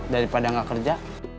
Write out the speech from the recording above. daripada gak kerja